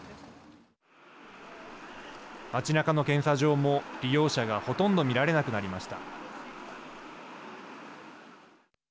街なかの検査場も利用者がほとんど見られなくなりました。